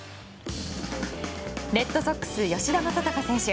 レッドソックス、吉田正尚選手。